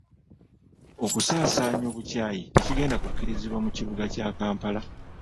Okusaasaanya obukyayi tekigenda kukkirizibwa mu kibuga kya Kampala .